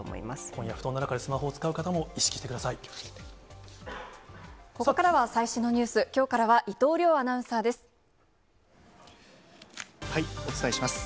今夜、布団の中でスマホを使ここからは最新のニュース、きょうからは伊藤遼アナウンサーです。